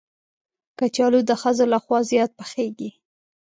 کچالو د ښځو لخوا زیات پخېږي